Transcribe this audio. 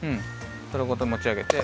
それごともちあげて。